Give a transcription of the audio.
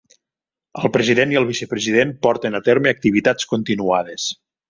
El president i el vicepresident porten a terme activitats continuades.